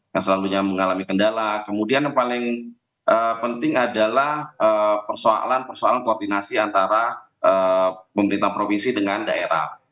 yang selalunya mengalami kendala kemudian yang paling penting adalah persoalan persoalan koordinasi antara pemerintah provinsi dengan daerah